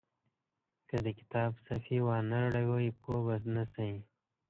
که د کتاب صفحې وانه ړوئ پوه به نه شئ.